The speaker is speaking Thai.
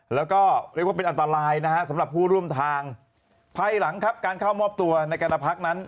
แล้วก็เรียกว่าเป็นอันตรายนะฮะสำหรับผู้ร่วมทางภายหลังครับการเข้ามอบตัวในการพักนั้น